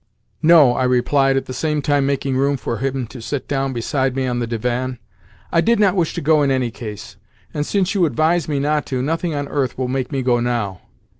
"No," I replied, at the same time making room for him to sit down beside me on the divan. "I did not wish to go in any case, and since you advise me not to, nothing on earth will make me go now.